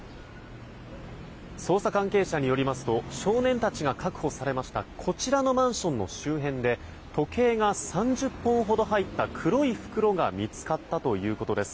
捜査関係者によりますと少年たちが確保されましたこちらのマンションの周辺で時計が３０本ほど入った黒い袋が見つかったということです。